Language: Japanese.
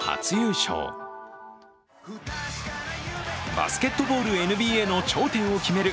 バスケットボールＮＢＡの頂点を決める